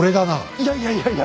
いやいやいやいや！